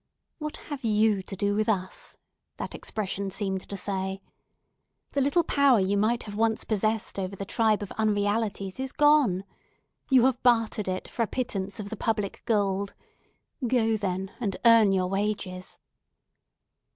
"What have you to do with us?" that expression seemed to say. "The little power you might have once possessed over the tribe of unrealities is gone! You have bartered it for a pittance of the public gold. Go then, and earn your wages!"